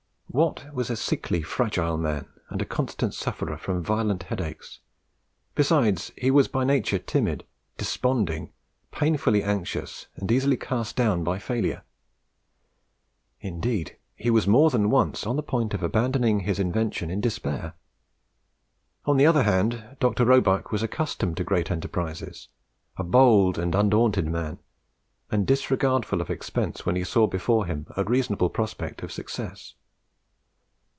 Watt was a sickly, fragile man, and a constant sufferer from violent headaches; besides he was by nature timid, desponding, painfully anxious, and easily cast down by failure. Indeed, he was more than once on the point of abandoning his invention in despair. On the other hand, Dr. Roebuck was accustomed to great enterprises, a bold and undaunted man, and disregardful of expense where he saw before him a reasonable prospect of success.